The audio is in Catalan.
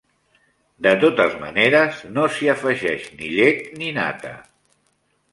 De totes maneres, no s'hi afegeix ni llet ni nata.